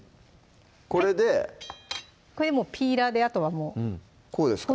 これでこれでピーラーであとはもうこうですか？